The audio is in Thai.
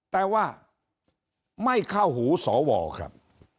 แต่ว่าไม่เข้าหูสวครับ